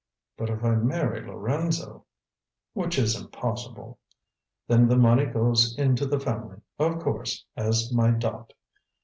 But if I marry Lorenzo " "Which is impossible " "Then the money goes into the family, of course, as my dot.